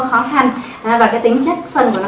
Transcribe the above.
khó khăn và cái tính chất phân của nó